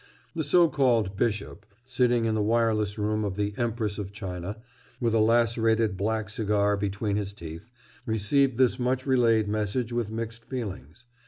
The so called bishop, sitting in the wireless room of the Empress of China, with a lacerated black cigar between his teeth, received this much relayed message with mixed feelings.